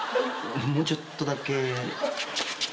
もうちょっとだけ。